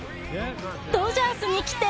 ドジャースに来て！